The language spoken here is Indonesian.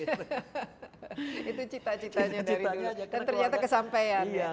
itu cita citanya dari dulu